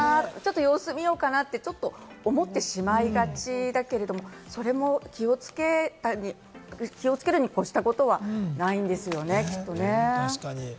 様子みようかな？と思ってしまいがちだけれども、それも気をつけるに越したことはないんですよね、きっとね。